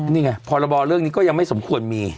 นี่ไงพรบเรื่องนี้ก็ยังไม่สมควรมี